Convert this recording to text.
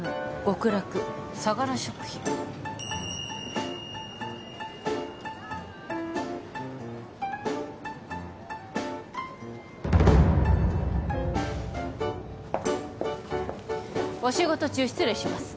相楽食品お仕事中失礼します